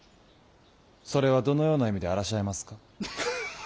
それはどのような意味であらしゃいますか。